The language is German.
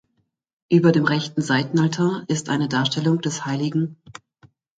Über dem rechten Seitenaltar ist eine Darstellung des hl.